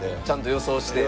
予想して。